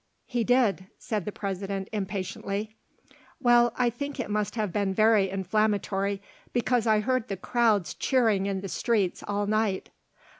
"He did," said the President impatiently. "Well, I think it must have been very inflammatory, because I heard the crowds cheering in the streets all night."